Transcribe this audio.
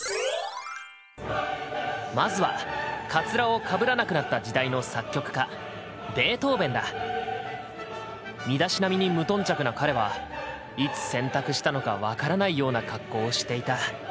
まずはカツラをかぶらなくなった時代の作曲家身だしなみに無頓着な彼はいつ洗濯したのか分からないような格好をしていた。